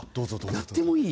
やってもいい？